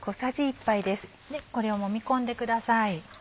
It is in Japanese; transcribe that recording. これをもみ込んでください。